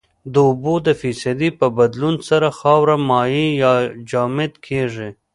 د اوبو د فیصدي په بدلون سره خاوره مایع یا جامد کیږي